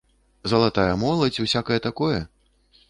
Залатая моладзь, усякае такое?